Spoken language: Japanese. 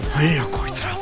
こいつら。